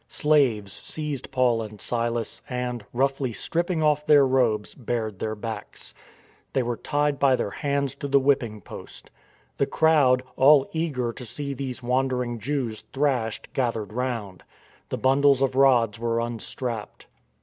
Slaves seized Paul and Silas and, roughly stripping off their robes, bared their backs. They were tied by their hands to the whipping post. The crowd, all eager to see these wandering Jews thrashed, gathered round. The bundles of rods were unstrapped.